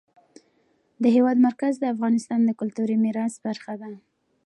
د هېواد مرکز د افغانستان د کلتوري میراث برخه ده.